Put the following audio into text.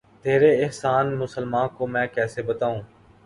تیرے احسان مسلماں کو میں کیسے بتاؤں